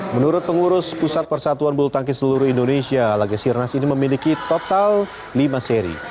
menurut pengurus pusat persatuan bulutangki seluruh indonesia laga sirenas ini memiliki total lima seri